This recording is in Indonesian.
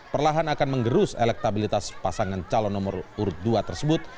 perlahan akan menggerus elektabilitas pasangan calon nomor urut dua tersebut